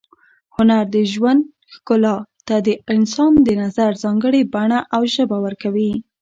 هنر د ژوند ښکلا ته د انسان د نظر ځانګړې بڼه او ژبه ورکوي.